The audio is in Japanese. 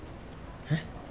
えっ？